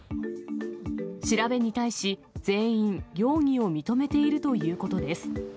調べに対し、全員、容疑を認めているということです。